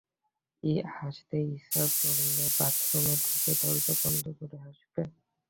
হাসতে ইচ্ছা করলে বাথরুমে ঢুকে দরজা বন্ধ করে হাসবে।